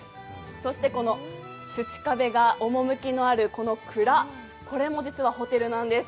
そしてこの土壁が趣のある蔵、これも実はホテルなんです。